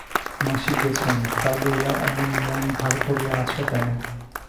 মাসি গেছেন, তা লইয়া অমন মন ভার করিয়া আছ কেন।